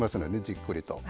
じっくりと。